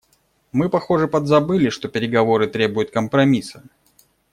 Мы, похоже, подзабыли, что переговоры требует компромисса.